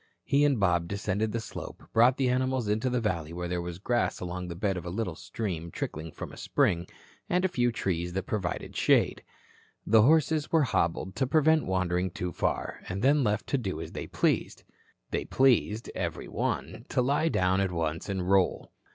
He and Bob descended the slope, brought the animals into the valley where there was grass along the bed of a little stream trickling from a spring, and a few trees that provided shade. The horses were hobbled to prevent wandering too far, and then left to do as they pleased. They pleased, every one, to lie down at once and roll.